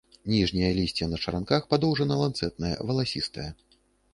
Ніжняе лісце на чаранках, падоўжана-ланцэтнае, валасістае.